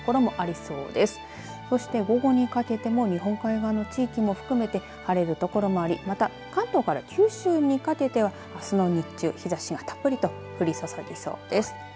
そして午後にかけても日本海側の地域も含めて晴れる所もありまた関東から九州にかけてはあすの日中、日ざしがたっぷりと降り注ぎそうです。